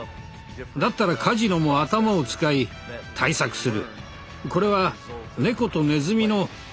だったらカジノも頭を使い対策する。